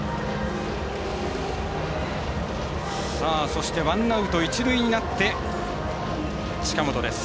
そして、ワンアウト一塁になって近本です。